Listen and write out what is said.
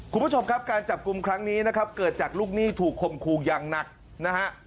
คุณผู้ชมครับการจับกลุ่มครั้งนี้นะครับเกิดจากลูกหนี้ถูกคมครูอย่างหนักนะฮะ